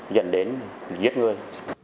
dẫn đến giết người